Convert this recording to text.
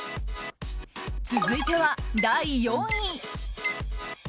続いては第４位。